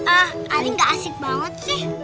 ah paling gak asik banget sih